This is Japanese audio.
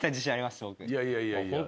いやいやいやいや。